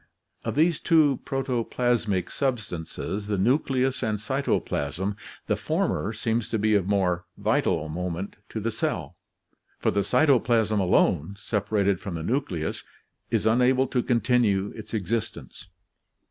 Of these two protoplasmic substances, the nucleus and cytoplasm, the former seems to be of more vital moment to the cell, for the cytoplasm alone, separated from the nucleus, is unable to continue its existence.